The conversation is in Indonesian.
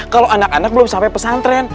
kalau anak anak belum sampai pesantren